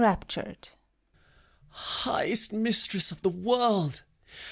(Enraptured.) ffighest Mistress of the World!